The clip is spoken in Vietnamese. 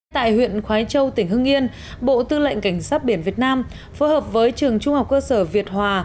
tại huyện khói châu tỉnh hưng yên bộ tư lệnh cảnh sát biển việt nam phối hợp với trường trung học cơ sở việt hòa